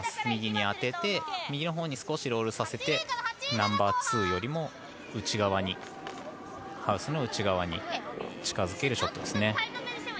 右に当てて右のほうに少しロールさせて、ナンバーツーよりも内側にハウスの内側に近づけるショットですね。